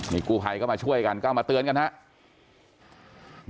มีกู้ไฮเข้ามาช่วยกันก็เอามาเตือนกันครับ